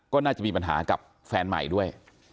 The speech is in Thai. ก็น่าจะมีปัญหากับแฟนใหม่ด้วย